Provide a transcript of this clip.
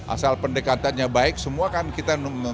asal pendekatannya baik semua kan kita